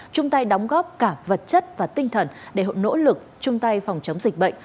chung tay đóng góp cả vật chất và tinh thần để nỗ lực chung tay phòng chống dịch bệnh